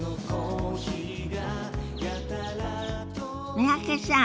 三宅さん